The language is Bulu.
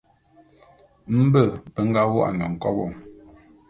Mbe be nga wô'an nkobô.